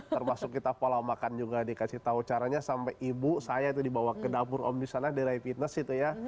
termasuk kita pola makan juga dikasih tahu caranya sampai ibu saya itu dibawa ke dapur om di sana di ray fitness itu ya